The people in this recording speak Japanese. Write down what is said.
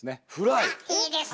あっいいですね！